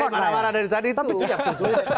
itu yang renggak marah marah dari tadi itu